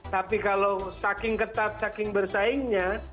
tapi kalau saking ketat saking bersaingnya